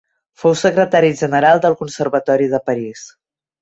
Fou secretari general del Conservatori de París.